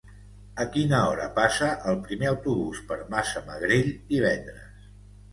A quina hora passa el primer autobús per Massamagrell divendres?